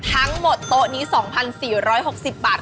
ทั้งหมดโต๊ะนี้๒๔๖๐บาท